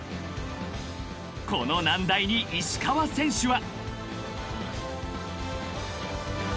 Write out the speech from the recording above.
［この難題に石川選手は］